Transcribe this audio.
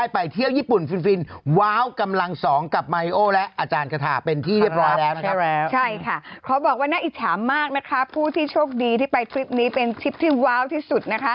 เป็นทริปที่ว้าวที่สุด